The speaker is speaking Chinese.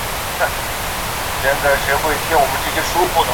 小樽港进入了战前的全盛时期。